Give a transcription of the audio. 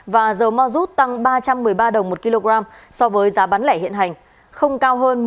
và dầu ma rút tăng ba trăm một mươi ba đồng một kg so với giá bán lẻ hiện hành không cao hơn một mươi bảy chín trăm tám mươi một đồng một kg